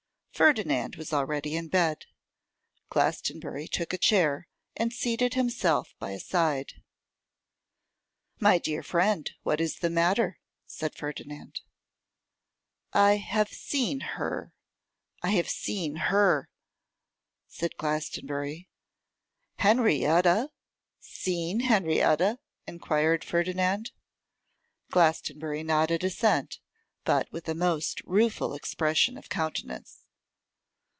Ferdinand was already in bed. Glastonbury took a chair, and seated himself by his side. 'My dear friend, what is the matter?' said Ferdinand. 'I have seen her, I have seen her!' said Glastonbury. 'Henrietta! seen Henrietta?' enquired Ferdinand. Glastonbury nodded assent, but with a most rueful expression of countenance.